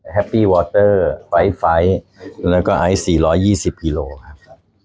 แฮปปี้วอเตอร์ไฟท์แล้วก็ไอซ์๔๒๐กิโลครับ